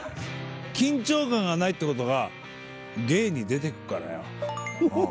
緊張感がないってことが芸に出てっからよ。